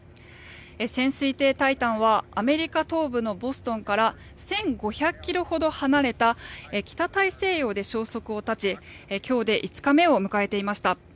潜水艇「タイタン」はアメリカ東部のボストンから１５００ｋｍほど離れた北大西洋で消息を絶ち今日で５日目を迎えていました。